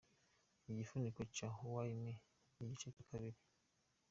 Igifuniko cya 'Why me?' igice cya kabiri.